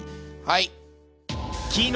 はい！